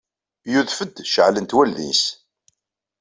Yudef-d, ceɛlent wallen-nnes.